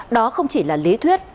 đó không chỉ là lý thuyết